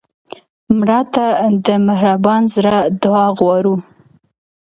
مړه ته د مهربان زړه دعا غواړو